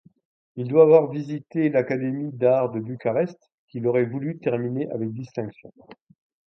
Il doit avoir visité l’Académie d’Art de Bucarest, qu’il aurait voulu terminer avec distinction.